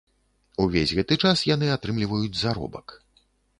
Увесь гэты час яны атрымліваюць заробак.